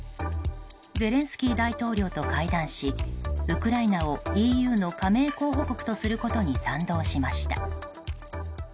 ゼレンスキー大統領と会談しウクライナをＥＵの加盟候補国とすることに賛同しました。